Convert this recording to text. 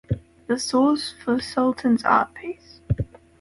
The source for Sultan's art piece.